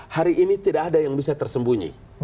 hari ini tidak ada yang bisa tersembunyi